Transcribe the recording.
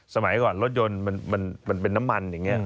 สมัยก่อนรถยนต์มันเป็นน้ำมันอย่างนี้